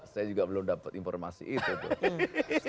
saya juga belum dapat informasi itu tuh